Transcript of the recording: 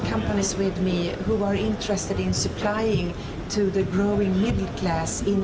tapi juga perubahan kesehatan dan pendidikan